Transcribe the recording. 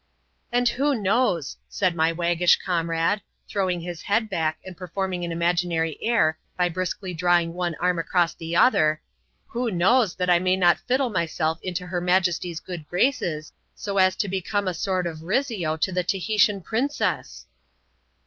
" And who knows, said my waggish comrade, throwin head back, and performing an imaginary air by briskly dra one arm across the other, ^^ who knows, that I may npt i myself into her majesty's good graces, so as to become a s< fiizzio to the Tahitian princess?"